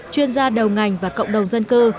chuyên gia đầu ngành và các tổ chức